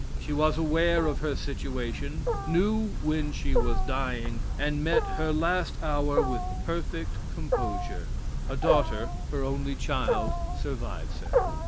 She was aware of her situation, knew when she was dying, and met her last hour with perfect composure. A daughter, her only child, survives her.